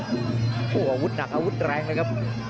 โอ้โหอาวุธหนักอาวุธแรงเลยครับ